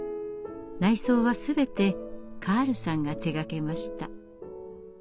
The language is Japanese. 内装は全てカールさんが手がけました。